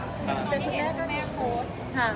อันนี้คุณแม่ก็แม่โพสต์